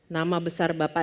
nama besar bapak